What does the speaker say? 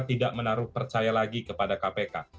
tidak menaruh percaya lagi kepada kpk